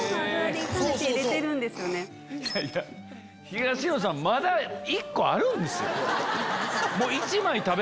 東野さんまだ１個あるんですよ。